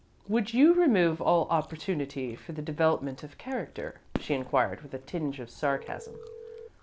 "Would you remove all opportunity for the development of character?" she inquired, with a tinge of sarcasm.